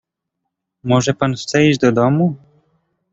"Może pan chce iść do domu?"